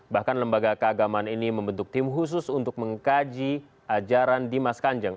bahkan lembaga keagamaan ini membentuk tim khusus untuk mengkaji ajaran dimas kanjeng